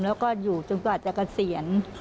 แล้วก็อยู่จนกว่าจะเกษียณ